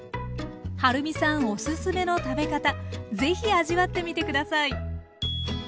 はるみさんおすすめの食べ方是非味わってみて下さい。